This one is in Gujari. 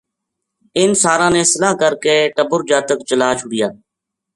اِنھ ساراں نے صلاح کر کے ٹَبر جاتک چلا چھُڑیا